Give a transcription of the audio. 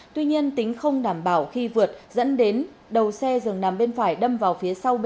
tuy nhiên tính không đảm bảo khi vượt dẫn đến đầu xe dường nằm bên phải đâm vào phía sau